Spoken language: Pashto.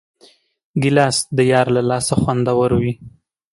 ګیلاس د یار له لاسه خوندور وي.